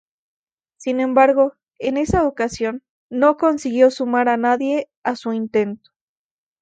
Sin embargo, en esa ocasión, no consiguió sumar a nadie a su intento.